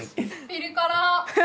ピリ辛。